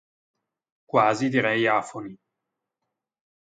Quasi direi afoni.